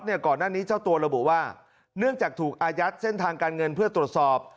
ก่อนหน้านี้เจ้าตัวระบุว่าเนื่องจากถูกอายัดเส้นทางการเงินเพื่อตรวจสอบ